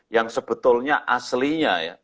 yang sebetulnya aslinya ya